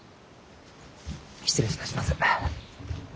失礼いたします。